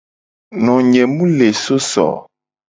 Nonye mu le so so o.